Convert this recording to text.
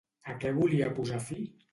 A què volia posar fi?